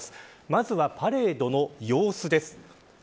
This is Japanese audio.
まずはパレードの様子です。